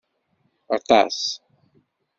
Aṭṭas!